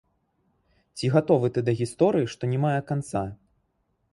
Ці гатовы ты да гісторыі, што не мае канца?